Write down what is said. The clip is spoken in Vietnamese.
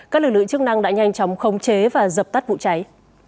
các lực lượng chức năng đã nhanh chóng khống chế và dập tắt vụ cháy